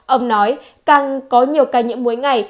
ông nói càng có nhiều ca nhiễm mỗi ngày